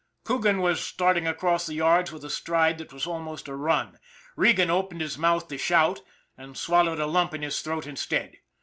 Coogan was starting across the yards with a stride that was almost a run. Regan opened his mouth to shout and swallowed a lump in his throat instead.